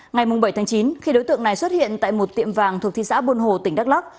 ngày bảy chín khi đối tượng này xuất hiện tại một tiệm vàng thuộc thị xã buôn hồ tỉnh đắk lắc